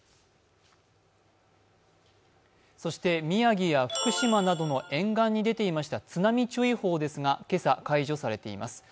宮城や福島などの沿岸に出ていました津波注意報ですが今朝解除されています。